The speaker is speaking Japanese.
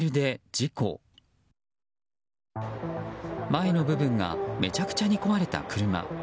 前の部分がめちゃくちゃに壊れた車。